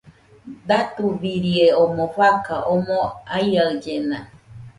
Datubirie omoi fakan omɨ aiaɨllena.